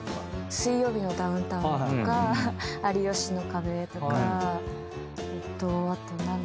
『水曜日のダウンタウン』とか『有吉の壁』とかえっとあと何だろう？